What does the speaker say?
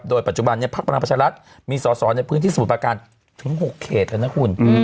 โดยปัจจุบันนี้พักพลังประชารัฐมีสอสอในพื้นที่สมุทรประการถึง๖เขตแล้วนะคุณ